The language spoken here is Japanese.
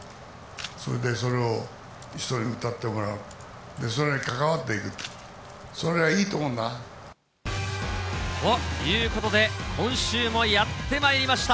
それでそれを人に歌ってもらう、そのように関わっていく、それがということで、今週もやってまいりました。